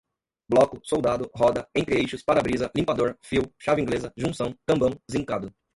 bloco, soldado, roda, entre-eixos, para-brisa, limpador, fio, chave inglesa, junção, cambão, zincado